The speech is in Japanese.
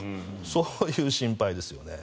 そういう心配ですよね。